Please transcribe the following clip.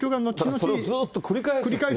それをずっと繰り返す。